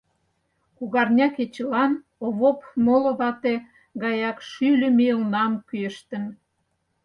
Кугарня кечылан Овоп моло вате гаяк шӱльӧ мелнам кӱэштын.